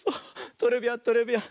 トレビアントレビアン。